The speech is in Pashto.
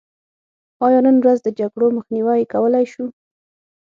آیا نن ورځ د جګړو مخنیوی کولی شو؟